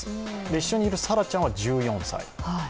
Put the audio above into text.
一緒にいるサラちゃんは１４歳。